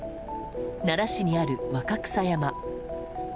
奈良市にある若草山。